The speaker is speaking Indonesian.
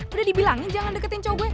udah dibilangin jangan deketin cowok gue